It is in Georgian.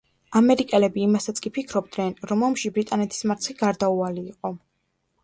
ამერიკელები იმასაც კი ფიქრობდნენ, რომ ომში ბრიტანეთის მარცხი გარდაუვალი იყო.